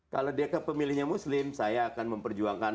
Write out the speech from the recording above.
kalau dia kepemilihnya muslim saya akan memperjuangkan